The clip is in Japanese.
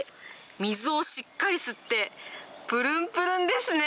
水をしっかり吸って、ぷるんぷるんですね。